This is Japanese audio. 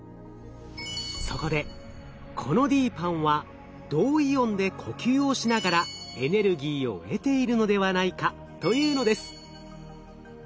そこでこのＤＰＡＮＮは銅イオンで呼吸をしながらエネルギーを得ているのではないかというのです。